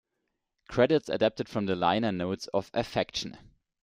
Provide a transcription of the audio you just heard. Credits adapted from the liner notes of "Affection".